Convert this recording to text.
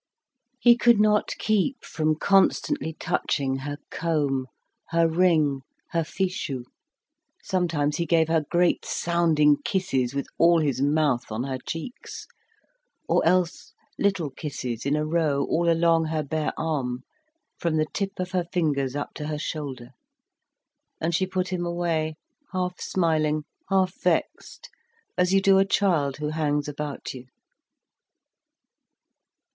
He could not keep from constantly touching her comb, her ring, her fichu; sometimes he gave her great sounding kisses with all his mouth on her cheeks, or else little kisses in a row all along her bare arm from the tip of her fingers up to her shoulder, and she put him away half smiling, half vexed, as you do a child who hangs about you.